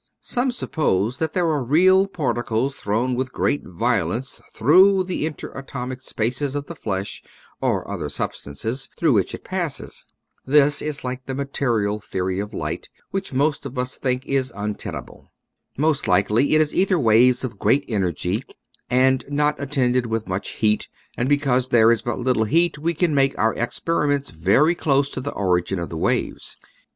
Some suppose that there are real particles thrown with great violence through the interatomic spaces of the flesh or other substances through which it passes. This is like the material , i . Original from UNIVERSITY OF WISCONSIN 218 nature'* Airaclee. theory of light, which most of us think is un tenable. Most likely it is ether waves of great energy and not attended with much heat, and because there is but little heat we can make our experiments very close to the origin of the waves.